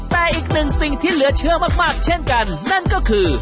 แต่อีกหนึ่งสิ่งที่เหลือเชื่อมากเช่นกันนั่นก็คือ